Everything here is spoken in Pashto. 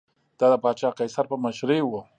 دا د پاچا قیصر په مشرۍ و